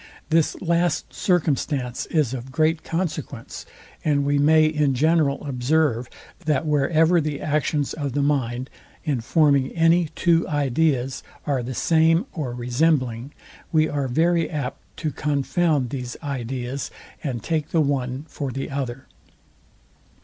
This last circumstance is of great consequence, and we may in general observe, that wherever the actions of the mind in forming any two ideas are the same or resembling, we are very apt to confound these ideas, and take the one for the other.